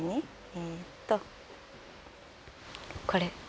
えっとこれ。